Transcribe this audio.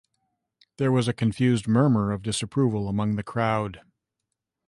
There was a confused murmur of disapproval among the crowd.